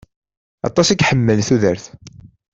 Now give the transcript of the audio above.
Aṭas i iḥemmel tudert.